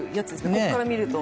ここから見ると。